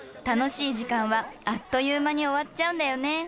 楽しい時間はあっという間に終わっちゃうんだよね。